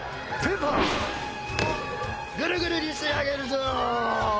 グルグルにしてあげるぞ。